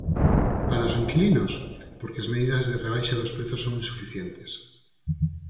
Para os inquilinos, porque as medidas de rebaixa dos prezos son insuficientes.